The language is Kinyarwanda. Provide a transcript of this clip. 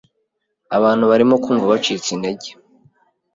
abantu barimo kumva bacitse intege